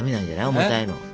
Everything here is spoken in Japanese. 重たいの。